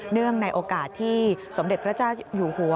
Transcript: เนื่องในโอกาสที่สมเด็จพระเจ้าอยู่หัว